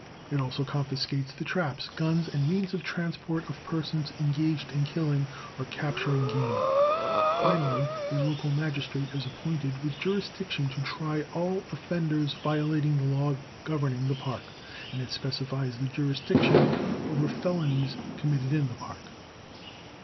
It also confiscates the traps, guns and means of transport of persons engaged in killing or capturing game. Finally a local magistrate is appointed, with jurisdiction to try all offenders violating the law governing the Park, and it specifies the jurisdiction over felonies committed in the Park.